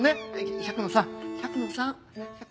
百野さん百野さん百野。